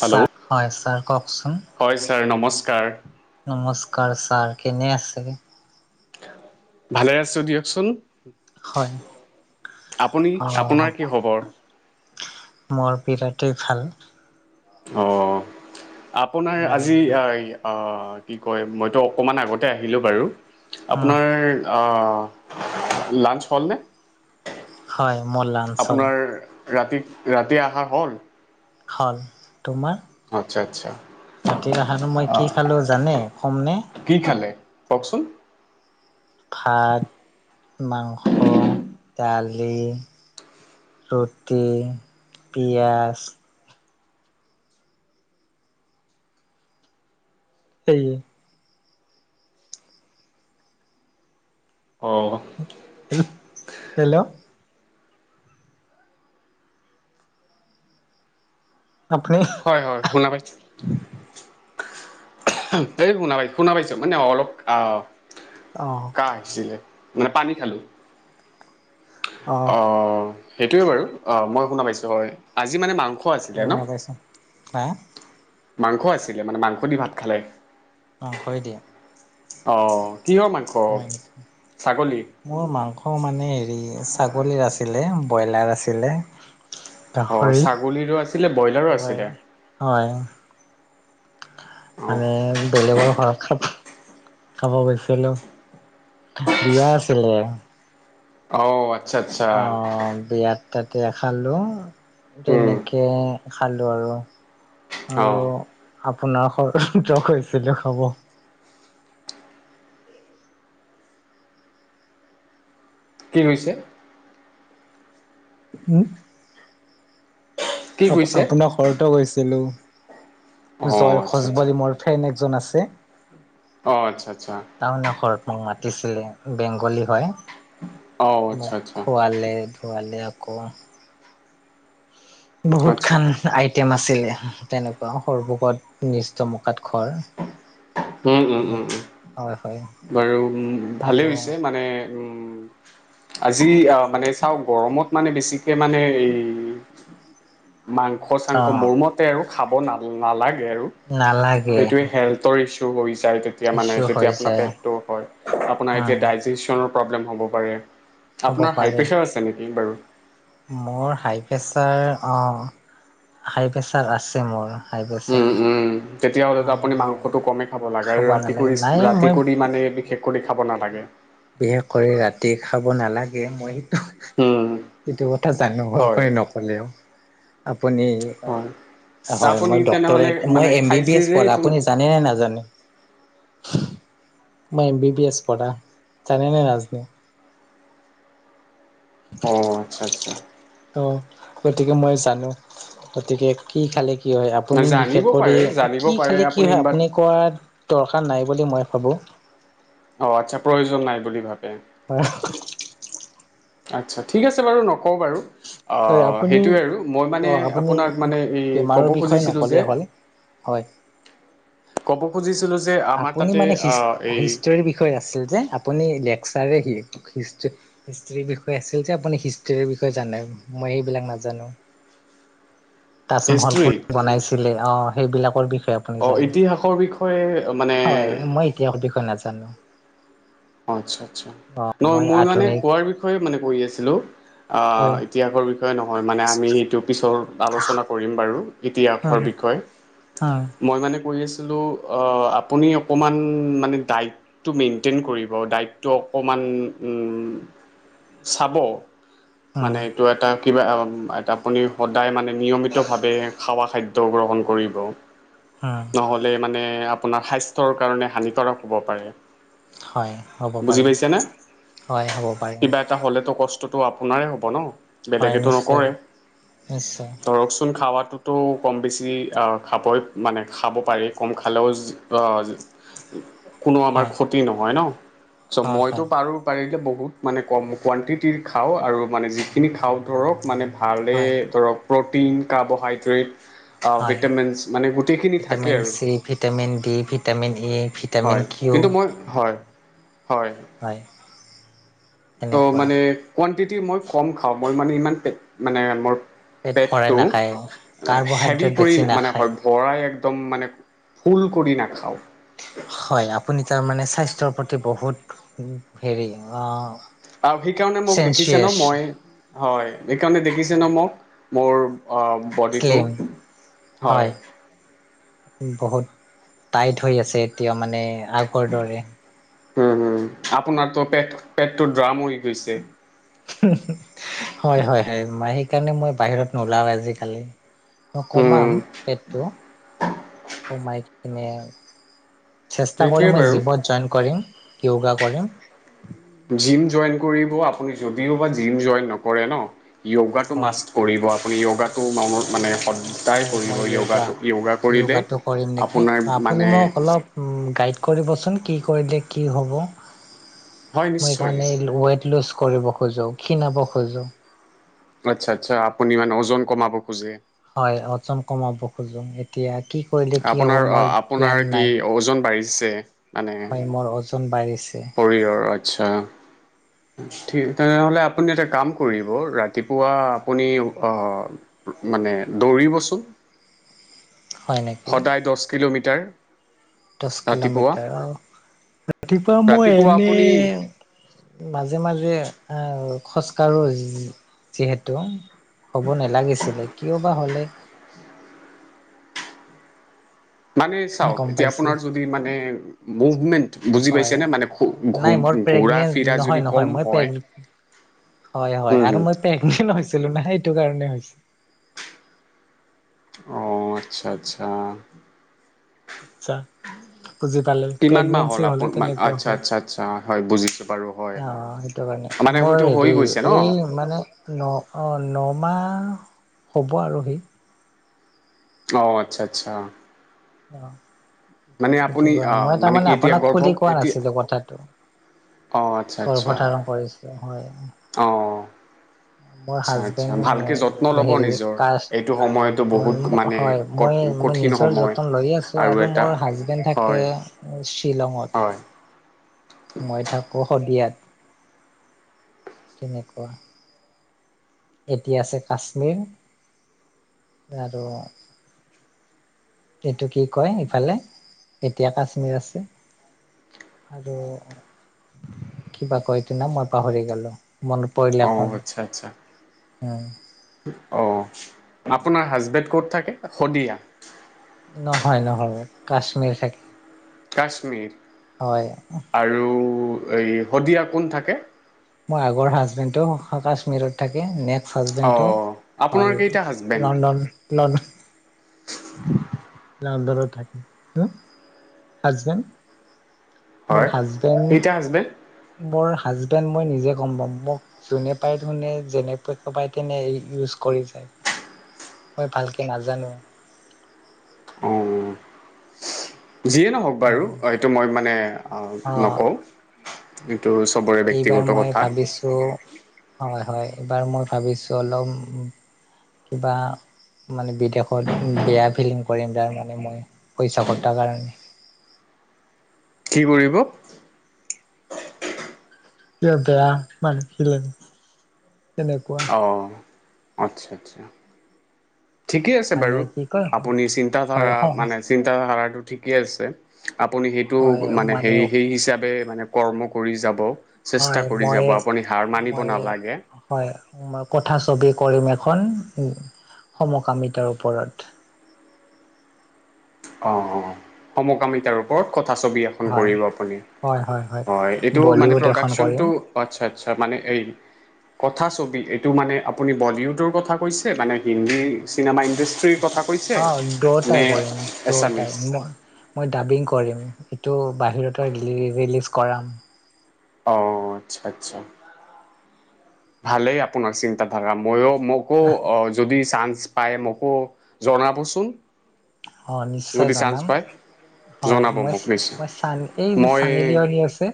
Hello sir, হয় sir কওঁকচোন? হয় ছাৰ নমস্কাৰ। নমস্কাৰ ছাৰ। কেনে আছে? ভালে আছো দিয়কচোন। হয় আপুনি, অ আপোনাৰ কি খবৰ? মোৰ বিৰাটেই ভাল। অ', আপোনাৰ আৰু আজি - আহ কি কয় মইতো অকণমান আগতে আহিলোঁ বাৰু। উম আপোনাৰ- অ', লাঞ্চ হ'ল নে? হয়, মোৰ লা আপোনাৰ ৰাতি-ৰাতিৰ আহাৰ হ'ল? হ'ল। তোমাৰ? আচ্ছা আচ্ছা ৰাতি আহাৰটো মই কি খালো জানে কম নে? কি খালে কওঁকচোন? ভাত, মাংস। দালি, ৰুটি, পিঁয়াজ। সেইয়ে অঁ। Hello hello! আফপনি হয়ঁ হয়ঁ শুনা পাইছোঁ। এহোএই শুনা পাইছ শুনা পাইছো মানে অলপ আহ অঁ। কাহ আহিছিলে মানে পানী খালো। অ অঁ সেইটোয়ে বাৰু অ মই শুনা পাইছো হয় আজি মানে মাংস মাংস আছিলে ন শুনা পাইছো হা মাংস আছিলে মানে মাংস দি ভাত খালে মাংসই দিয়ে অহ কিহৰ মাংস হয় নেকি ছাগলী। মোৰ মাংস মানে হেৰি ছাগলীৰ আছিলে ব্ৰইলাৰ আছিলে। অ' গাহৰি ছাগলীৰো আছিলে ব্ৰইলাৰো হয়ঁ আছিলে। হয়ঁ। অ' মানে বেলেগৰ ঘৰখাত খাব গৈছিলো বিয়া আছিলে। অঁ! অঁ বিয়াত তাতে খালো উম। তেনেকে খালো আৰু অ' আৰু আপোনাৰ খৰ ধৰ কৈছিলো খাব। কি কৈছে? হম! কি কৈছে? আপোনাৰ ঘৰতে গৈছিলো অ' জয় আচ্ছা আচ্ছা। খজবাৰি মৰ ফ্ৰেন একজন আছে। অঁ আচ্ছা আচ্ছা। টাউনা ঘৰত মোক মাতিছিলে বেংগলী হয়ঁ। অ' আচ্ছা মোক আচ্ছা খোৱালে ধুৱালে আকৌ- বহুত আচ্ছা খান আইটেম আছিলে তেনেকুৱা সৰভকত নিষ্ট মকাত ঘৰ। উমঁ উমঁ উমঁ উমঁ হয় হয় বাৰু উমঁ আৰু ভালেই হৈছে মানে উমঁ। আজি মানে চাওঁ গৰমত মানে বেছিকে মানে এই মাংস অ চাংস মোৰ মতে আৰু খাব ন নালাগে আৰু নালাগে সেইটোৱে হেল। হৈছো হৈ যায় তেতিয়া মানে ইছ্যু হৈ তেতিয়া আপোনাৰ যায় পেট হয় আপোনাৰ উম এতিয়া দাইজিচনৰ প্ৰৱলেম হ'ব পাৰে হ'ব আপোনাৰ হাই পাৰে প্ৰেছাৰ আছে নেকি বাৰু। মোৰ হাই প্ৰেছাৰ অ হাই প্ৰেছাৰ আছে মোৰ। হাই পেছাৰ। তেতিয়া হ'লেতো আপুনি মাংসটো কমেই খাব লাগে আৰু ৰাতি নালাগে কৰি নাই ৰাতি মই কৰি মানে বিশেষ কৰি খাব নালাগে। বিশেষক কৈ ৰাতি খাব নালাগে মই সটো উম সেইটো কথা জানো হয় আপুনি নকলেও। আপুনি হয় ত হয় আপুনি মই তেনেহ'লে ডক্টৰেট মই মানে এম বি বি খাইছে এছ। যে এইটো জানে নে নাজানে? মই এম বি বি এছ পঢ়া জানে নে নাজানে। অঁ আচ্ছা আচ্ছা। তো গতিকে মই জানো গতিকে- কি খালে কি হয় আপুনি বিশেষ জানিব কৰি পাৰে জানিব কি পাৰে খালে কি হয় বাট আপুনি কৰাত দৰকাৰ নাই বুলি মই ভাবোঁ। অ আচ্ছা প্ৰয়োজন নাই বুলি ভাবে হয় আচ্ছা ঠিক আছে বাৰু নকও বাৰু অহ আপুনি সেইটোৱে আৰু মই অ মানে আপুনি আপোনাক মানে এই ক'ব বেমাৰৰ বিষয়ে খুজিছিলো নক'লে যে হ'ল হয় ক'ব খুজিছিলো যে আমাৰ আপুনি তাতে মানে হি আহ, এই হিষ্টৰীৰ বিষয়ে আছিল যে আপুনি লেকচাৰ নে কি হিষ্ট্ৰী হিষ্ট্ৰীৰ বিষয়ে আছিল যে আপুনি হিষ্ট্ৰীৰ বিষয়ে জানে মই সেইবিলাক নাজানো [unintelligible] তাজমহল কোনে বনাইছিলে অ সেইবিলাকৰ বিষয়ে আপুনি অ জানে ইতিহাসৰ বিষয়ে মানে হয় মই ইতিহাস বিষয়ে নাজানো অ আচ্ছা আচ্ছা অ নহয় মই মানে আধুনিক খোৱাৰ বিষয়ে মানে কৈ আছিলো অ হয় ইতিহাসৰ বি বিষয় নহয় মানে আমি সেইটো পিছত আলোচনা কৰিম বাৰু ইতিহাসৰ বিষয়ে অ মই মানে কৈ আছিলো অ আপুনি অকণমান মানে ডাইটটো মেইনটেইন কৰিব ডাইটতো অকণমান চাব মানে উম এইটো এটা কিবা আপুনি সদায় মানে নিয়মিত ভাৱে খাৱা খা অ গ্ৰহণ কৰিব হ নহ'লে মানে আপোনাৰ স্বাস্থ্যৰ কাৰণে হানিকাৰক হ'ব পাৰে হয় হ'ব বুজি পাৰে হয় হ'ব পাৰে এতিয়াতৌ হ'লেতো কষ্টতো আপোনাৰে হ'ব ন হয় বেলেগেত নিশ্চয় নকৰে নিশ্চয় ধৰকচোন খাৱাতো তো কম বেছি অ খাবই মানে খাব পাৰে কম খালেও অ কোনো আমাৰ হয় ক্ষতি নহয় ন চ হয় মইতো হয় পাৰো পাৰিলে বহুত মানে কম কোৱানটিটিৰ খাও আৰু মানে যিখিনি খাও ধৰক মানে আলে হয় ধৰক ধৰক প্ৰ'টিন কাৰ্বহাইড্ৰেট অ হয় ভিটামিনছ মানে গোটেইখিনি থাকে ভিটামিন আৰু C vitamin D vitamin E vitamin হয় কিউ কিন্তু মই হয় হয় হয় ত সেনেকুৱা মানে কোৱানটিটি মই কম খাও মই মানে ইমান পেট মানে মোৰ পেট ভৰাই পেটটো নাখায় হেভি কাৰ্বহাইড্ৰেট কৰি বেছি মানে নাখায় ভৰাই একদম মানে ফুল কৰি নাখাও হয় আপুনি তাৰ মানে স্বাস্থ্যৰ প্ৰতি বহুত হেৰি অ আৰু সেইকাৰণে মোক দেখিছে ন চেনচিয়াছ মই হয় সেইকাৰণে দেখিছে ন মোক মোৰ অ বডিটো শ্লিম হয় বহুত টাইট হৈ আছে এতিয়া মানে আগৰ দৰে উম হুম আপোনাৰতো পেট পেটতো ড্ৰাম হৈ গৈছে হয় হয় হয় মই সেইকাৰণে মই বাহিৰত নোলাও আজিকালি উম কমাম পেটতো কমাই কিনে চেষ্টা সেইটোৱে কৰিম মই বাৰু জীমত জইন কৰিম য়োগা কৰিম জিম জইন কৰিব আপুনি যদিওবা জিম জইন‌ নকৰে ন য়োগাটো হয় মাষ্ট কৰিব আপুনি য়োগাটো ম মানে সদ। হয় মই য়োগা য়োগাটো কৰিম নেকি আপোনাৰ আপুনি মানে মোক অলপ। গাইড কৰিবচোন কি কৰিলে কি হ'ব। হয় মই নিশ্চয় মানে ওৱেইট লুজ কৰিব খোজো ক্ষীণাব খোজো। আচ্ছা আচ্ছা আপুনি মানে ওজন কমাব খোজে। হয় ওজন কমাব খোজো এতিয়া কি। কৰিলে কি হ'ব আপোনাৰ মোৰ জ্ঞান আপোনাৰ কি নাই ওজন বাঢ়িছে। মানে হয় মোৰ ওজন বাঢ়িছে। শৰীৰৰ আচ্ছা। ঠিক তেনেহ'লে আপুনি এটা কাম কৰিব ৰাতিপুৱা আপুনি অ। মানে দৌৰিবচোন। হয় নেকি সদায় দচ কিলোমিটাৰ। দহ ৰাতিপুৱা কিলোমিটাৰ অ ৰাতিপুৱা মই ৰাতিপুৱা এনে। আপুনি মাজে মাজে আহ খোজকাঢ়ো যিহেতু। হ'ব নেলাগিছিলে কিয় বা হ'লে। মানে চাওক গম এতিয়া পাইছো আপোনাৰ যদি মানে মুভমেন্ট বুজি পাইছে হয় নে মানে। ঘু নাই মোৰ ঘূৰা প্ৰেগনেন্ট ফিৰা যদি নহয় নহয় কম মই প্ৰেগ হয়। হয় হয় হুম আৰু হুম মই প্ৰেগনেণ্ট হৈছিলো না সেইটো কাৰণে হৈছে। অ আচ্ছা আচ্ছা। [inaudible] বুজি পালে কিমান মাহ হ'ল প্ৰেগনেঞ্চি হ'লে আপোন তেনেকুৱা আচ্ছা হয় আচ্ছা আচ্ছা হয় বুজিছোঁ বাৰু হয় হয় আহ। সেইটো কাৰণে মানে মোৰ হয়তো হৈ হেৰি গৈছে ন এই মানে। ন অ নমাহ হ'ব আৰু সি। অ আচ্ছা আচ্ছা অ। অ' সেইটো আপুনি কাৰণে আহ মই মানে কি তাৰমানে এতিয়া আপোনাক গৰ্ভ খুলি কোৱা এতিয়া নাছিলো কথাটো। অ গৰ্ভতাৰণ কৰিছো হয়। অঁ' মোৰ আচ্ছা আচ্ছা হাজবেণ্ড ভালকে যত্ন লব হেৰি নিজৰ কাষ্ট এইটো সময়তো বহুত মানে হয় ক মই মই কঠিন নিজৰ সময় যতন লৈয়ে আছো আৰু মোৰ হাজবেণ্ড থাকে হয় শ্বিলঙত। হয় মই থাকোঁ শদিয়াত তেনেকুৱা। এতি আছে কাশ্মীৰ। আৰু এইটো কি কয় ইফালে এতিয়া কাশ্মীৰ আছে। আৰু কিবা কয় টো ন' মই পাহৰি গলো মনত পৰিলে কম অঁ', আচ্ছা আচ্ছা। উম অঁ আপোনাৰ হাজবেণ্ড ক'ত থাকে শদিয়া। নহয় নহয় কাশ্মীৰ থাকে। কাশ্মীৰ হয় আৰু এই শদিয়া কোন থাকে? মই আগৰ হাজবেণ্ডো কাশ্মীৰত থাকে নেক্স অ হাজবেণ্ডটো আপোনাৰ হল কেইটা হাজবেণ্ড লণ্ডন লণ্ডন [unintelligible] থাকে ন হাজবেন। মোৰ হয় হাজবেণ্ড মোৰ হাজবেণ্ড মই নিজে গম পাম মোক যোনে পায় ধোনে যেনেক পায় তেনে ইউজ কৰি যায়। মই ভালকে নাজানো। অ' যিয়ে নহওক বাৰু এইটো মই মানে অ নকওঁ। এইটো চবৰে ব্যক্তিগত কথা। পিছে হয় হয় এইবাৰ মই ভাবিছো অলপ কিবা মানে বিদেশত বেয়া ফিলিং কৰিম তাৰ মানে মই পইচা ঘটাৰ কাৰণে। কি কৰিব? [unintelligible] তেনেকুৱা। অ আচ্ছা আচ্ছা। ঠিকে আছে মানে বাৰু কি কয় আপুনি হয় চিন্তাধাৰা মানে চিন্তাধাৰাটো ঠিকে আছে, আপুনি সেইটো মানে সেই সেই হিচাপে মানে কৰ্ম কৰি যাব, হয় চেষ্টা কৰি মই যাব, আপুনি হাৰ মানিব মই নালাগে। হয় মই কথা ছবি কৰিম এখন উ সমকামিতাৰ ওপৰত। অ অ সমকামিতাৰ ওপৰত কথাছবি আক হয় কৰিব আপুনি। হয় এইটো মান বলিউড এখন কৰিম প্ৰডাকনটো আচ্ছা আচ্ছা মানে এই কথাছবি এইটো মানে আপুনি বলিউডৰ কথা কৈছে, মানে হিন্দী চিনেমা ইণ্ডাষ্টি ত্ৰি কথা কৈছে অ দুয়োটাই নে কৰিম এছামিছ দুয়োটাই, ম-মই ডাবিং কৰিম ইটো বাহিৰতে ৰিলিজ কৰাম। অ আচ্ছা আচ্ছা। ভালেই আপোনাৰ চিন্তাধাৰা। মইও মোকো অ যদি চানস পায় মোকো জনাবচোন। অ নিশ্চয় যদি চান্স জনাম। পায় হয় জনাব মই মোক নিশ্চয় মই চান এই মই চানিলি আছে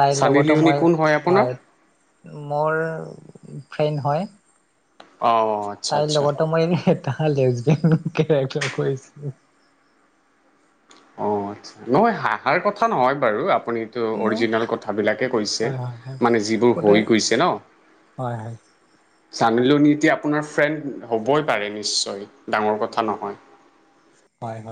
তাইৰ চানি লগতো লিঅ'নি মই কোন আপোনাৰ হয়, মোৰ ফ্ৰেণ্ড হয়। অ আচ্ছা তাইৰ আচ্ছা লগতো মই এটা লেজবেড কেৰেটাৰ কৰিছো। অ আচ্ছা নহয় হাহাৰ কথা নহয় বাৰু আপুনি মই অৰিজিনেল কথাবিলাকে কৈছে, হয় হয় হয় মানে যিবোৰ হৈ গৈছে ন? হয় হয় চানিলিওনি এতিয়া আপোনাৰ ফ্ৰেণ্ড হ'বই পাৰে নিশ্চয় ডাঙৰ কথা নহয়। [inaudible]